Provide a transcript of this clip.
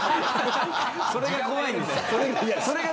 それが怖いんです。